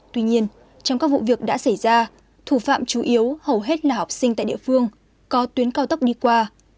tuy nhiên trong các vụ việc đã xảy ra thủ phạm chủ yếu hầu hết là học sinh tại địa phương có tuyến cao tốc đi qua